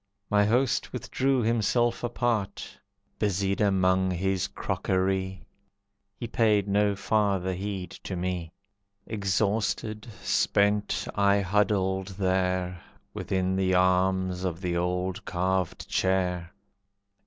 My host withdrew himself apart; Busied among his crockery, He paid no farther heed to me. Exhausted, spent, I huddled there, Within the arms of the old carved chair.